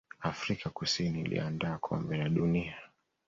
afrika kusini iliandaa kombe la dunia